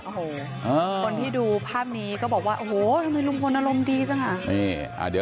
คนที่ดูภาพนี้ก็บอกว่าโอ้โฮทำไมลุงกวนอารมณ์ดีจัง